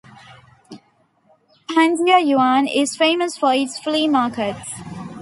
Panjiayuan is famous for its flea markets.